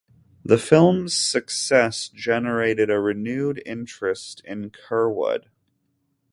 The film's success generated a renewed interest in Curwood.